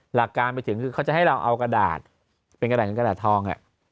หลักการไปถึงคือเขาจะให้เราเอากระดาษเป็นกระดาษเงินกระดาษทอง